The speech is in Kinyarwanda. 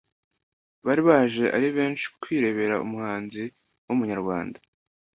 bari baje ari benshi kwirebera umuhanzi w’Umunyarwanda